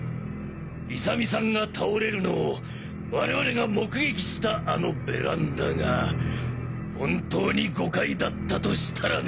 勇美さんが倒れるのを我々が目撃したあのベランダが本当に５階だったとしたらね。